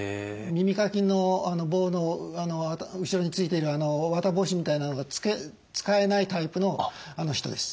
耳かきの棒の後ろについている綿帽子みたいなのが使えないタイプの人です。